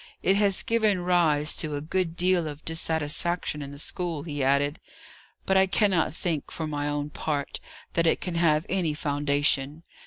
"It has given rise to a good deal of dissatisfaction in the school," he added, "but I cannot think, for my own part, that it can have any foundation.